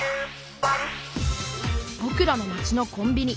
ぼくらの街のコンビニ。